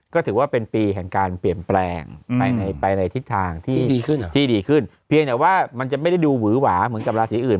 ก็ถือว่าเป็นปีแห่งการเปลี่ยนแปลงไปในทิศทางที่ดีขึ้นเหรอที่ดีขึ้นเพียงแต่ว่ามันจะไม่ได้ดูหวือหวาเหมือนกับราศีอื่น